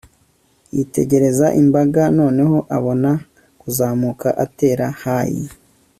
yitegereza imbaga, noneho abona kuzamuka atera hayi